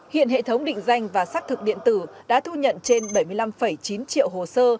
hiện hệ thống định danh và xác thực điện tử đã thu nhận trên bảy mươi năm chín triệu hồ sơ